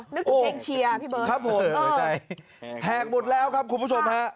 นึกถึงเพลงเชียร์พี่เบิร์ตครับผมแหกหมดแล้วครับคุณผู้ชมฮะ